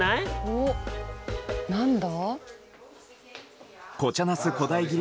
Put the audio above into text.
おっ何だ？